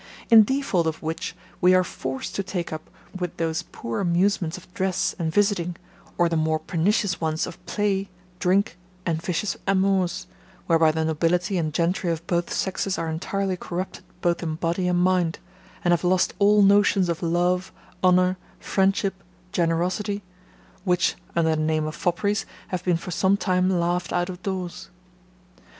In default of which, we are forced to take up with those poor amusements of dress and visiting, or the more pernicious ones of play, drink, and vicious amours, whereby the nobility and gentry of both sexes are entirely corrupted both in body and mind, and have lost all notions of love, honour, friendship, generosity; which, under the name of fopperies, have been for some time laughed out of doors.